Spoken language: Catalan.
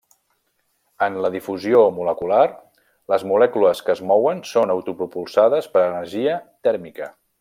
En la difusió molecular, les molècules que es mouen són autopropulsades per energia tèrmica.